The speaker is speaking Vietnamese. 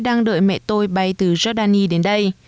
đang đợi mẹ tôi bay từ jordani đến đây